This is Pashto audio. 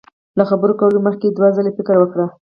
له خبرو کولو مخ کي دوه ځلي فکر وکړه